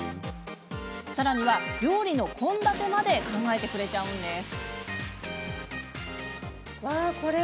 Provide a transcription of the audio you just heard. さらには、料理の献立まで考えてくれちゃうんです。